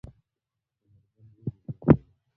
کمربند ولې وتړو؟